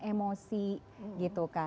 emosi gitu kan